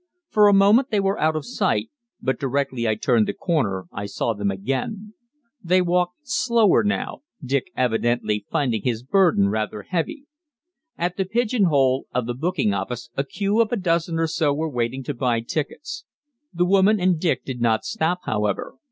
For a moment they were out of sight, but directly I turned the corner I saw them again; they walked slower now, Dick evidently finding his burden rather heavy. At the pigeon hole of the booking office a queue of a dozen or so were waiting to buy tickets. The woman and Dick did not stop, however.